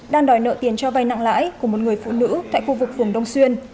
đang đòi nợ tiền cho vai nặng lãi của một người phụ nữ tại khu vực vùng đông xuyên